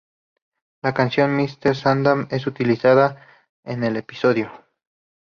La canción Mister Sandman es utilizada en el episodio.